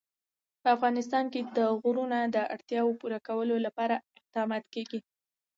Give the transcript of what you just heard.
په افغانستان کې د غرونه د اړتیاوو پوره کولو لپاره اقدامات کېږي.